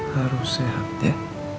harus sehat ya